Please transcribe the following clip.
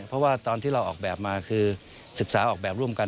เพราะว่าตอนที่เราออกแบบมาคือศึกษาออกแบบร่วมกัน